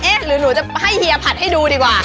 หรือหนูจะให้เฮียผัดให้ดูดีกว่า